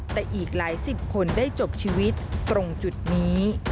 แต่อีกหลายสิบคนได้จบชีวิตตรงจุดนี้